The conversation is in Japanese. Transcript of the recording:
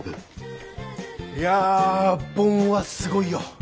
いやボンはすごいよ。